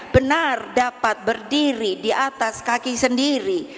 benar dapat berdiri di atas kaki sendiri